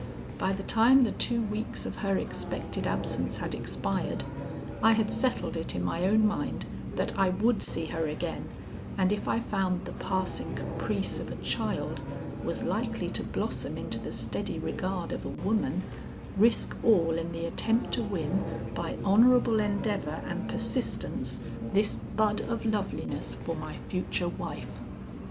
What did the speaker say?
By the time the two weeks of her expected absence had expired, I had settled it in my own mind that I would see her again and if I found the passing caprice of a child was likely to blossom into the steady regard of a woman, risk all in the attempt to win by honorable endeavor and persistence this bud of loveliness for my future wife.